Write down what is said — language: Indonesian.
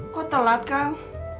kok telat kang